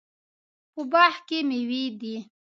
په باغ کې میوې دي